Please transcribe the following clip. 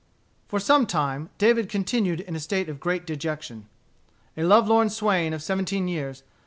For some time David continued in a state of great dejection, a lovelorn swain of seventeen years.